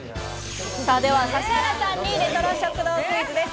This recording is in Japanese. では指原さんにレトロ食堂クイズです。